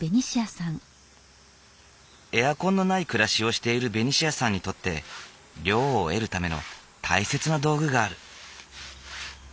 エアコンのない暮らしをしているベニシアさんにとって涼を得るための大切な道具がある。